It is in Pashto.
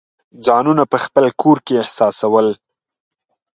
ځانونه په خپل کور کې احساسول.